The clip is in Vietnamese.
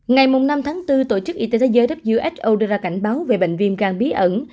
ngày năm tháng bốn tổ chức y tế thế giới who đưa ra cảnh báo về bệnh viêm gan bí ẩn